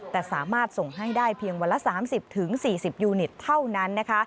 แต่สามารถส่งให้ได้เพียงวันละ๓๐๔๐ยูนิตเท่านั้นนะคะ